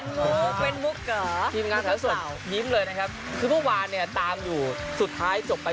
มุกเป็นมุกเหรอทีมงานสาวสดยิ้มเลยนะครับคือเมื่อวานเนี่ยตามอยู่สุดท้ายจบไป